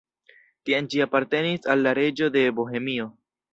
Tiam ĝi apartenis al la reĝo de Bohemio.